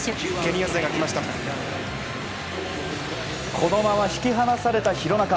このまま引き離された廣中。